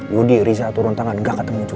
yudi riza turun tangan gak ketemu juga